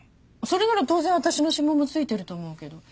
それなら当然私の指紋も付いてると思うけど。